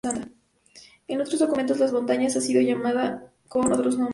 En otros documentos, la montaña ha sido llamada con otros nombres.